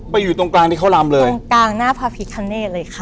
อยู่ตรงกลางที่เขารำเลยตรงกลางหน้าพระพิคเนธเลยค่ะ